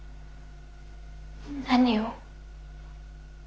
何を？